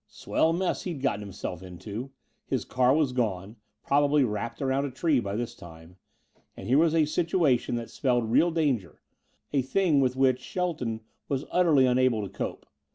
Swell mess he'd gotten himself into! His car was gone: probably wrapped around a tree by this time. And here was a situation that spelled real danger, a thing with which Shelton was utterly unable to cope.